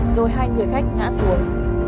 rồi hai người khách ngã xuống